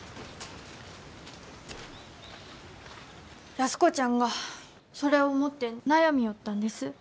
安子ちゃんがそれを持って悩みょうったんです。